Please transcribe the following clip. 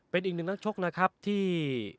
เป็นอีกหนึ่งนักชกนะครับที่